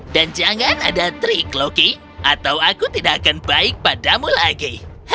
dan jangan ada trik loki atau aku tidak akan baik padamu lagi